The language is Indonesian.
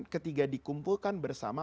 ketika dikumpulkan bersama